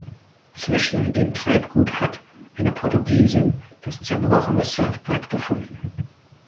Zwischen dem Treibgut hat eine Portugiesin das zerbrochene Surfbrett gefunden.